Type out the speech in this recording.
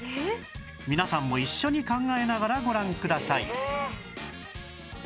皆さんも一緒に考えながらご覧ください